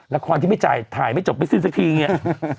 ละครที่ไม่จ่ายถ่ายไม่จบไม่สิ้นสักทีอย่างนี้